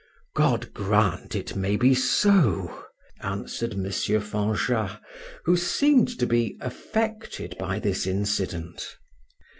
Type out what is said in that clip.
"God grant it may be so!" answered M. Fanjat, who seemed to be affected by this incident.